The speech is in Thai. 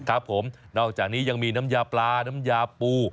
ครับผมนอกจากนี้ยังมีน้ำยาปลาน้ำยาปู